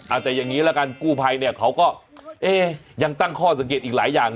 อาจจะอย่างนี้แล้วกันกู่ไพรแสงเขาก็ยังตั้งข้อสังเกตอีกหลายอย่าง